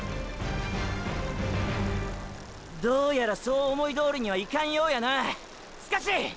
どうやらそう思いどおりにはいかんようやなスカシ！！